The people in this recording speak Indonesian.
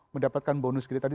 mendapatkan bonus kita di